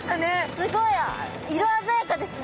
すごい色あざやかですね。